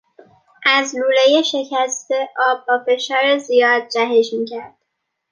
از لولهی شکسته آب با فشار زیاد جهش میکرد.